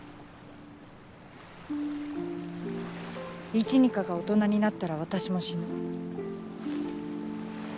イチニカが大人になったら私も死ぬ。